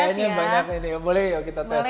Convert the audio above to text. kayaknya banyak ini boleh ya kita tes ya